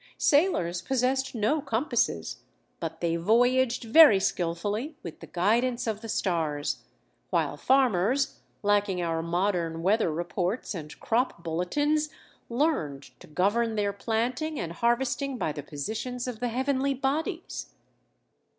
Sailors possessed no compasses, but they voyaged very skilfully with the guidance of the stars, while farmers, lacking our modern weather reports and crop bulletins, learned to govern their planting and harvesting by the positions of the heavenly bodies.